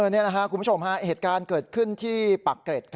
นี่คุณผู้ชมเหตุการณ์เกิดขึ้นที่ปักเกร็ด